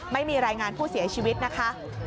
ไม่มีรายงานผู้เสียชีวิตนะคะ